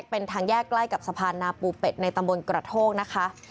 เป็นทางแยกใกล้กับสะพานนาปูเป็ดในตำบลกระโทกนะคะ